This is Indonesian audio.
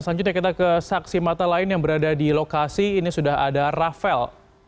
selanjutnya kita ke saksi mata lain yang berada di lokasi ini sudah ada rafael